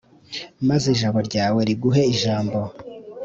maze ijabo ryawe riguhe ijambo